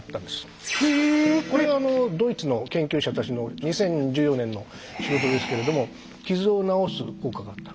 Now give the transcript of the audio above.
これドイツの研究者たちの２０１４年の仕事ですけれども傷を治す効果があった。